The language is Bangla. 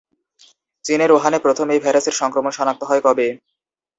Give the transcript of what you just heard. চীনের উহানে প্রথম এই ভাইরাসের সংক্রমণ শনাক্ত হয় কবে?